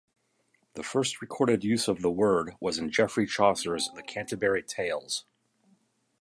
The first recorded use of the word was in Geoffrey Chaucer's "The Canterbury Tales".